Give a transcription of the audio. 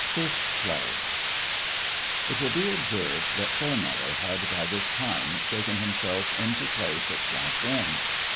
XV FIST PLAY IT will be observed that Fairmeadow had by this time shaken himself into place at Swamp's End.